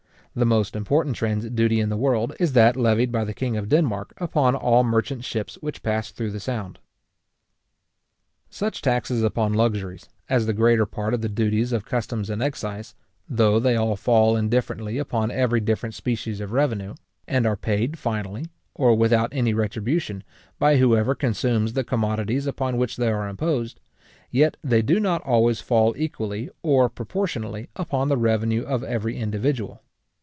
The most important transit duty in the world, is that levied by the king of Denmark upon all merchant ships which pass through the Sound. Such taxes upon luxuries, as the greater part of the duties of customs and excise, though they all fall indifferently upon every different species of revenue, and are paid finally, or without any retribution, by whoever consumes the commodities upon which they are imposed; yet they do not always fall equally or proportionally upon the revenue of every individual.